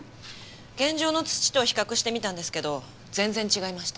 現場の土と比較してみたんですけど全然違いました。